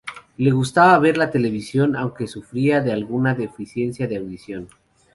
Le gustaba ver la televisión aunque sufría de alguna deficiencia de audición.